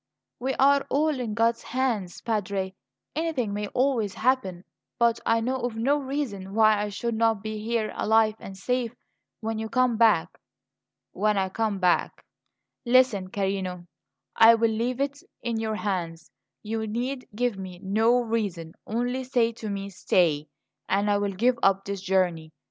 "We are all in God's hands, Padre; anything may always happen. But I know of no reason why I should not be here alive and safe when you come back." "When I come back Listen, carino; I will leave it in your hands. You need give me no reason; only say to me, 'Stay,' and I will give up this journey.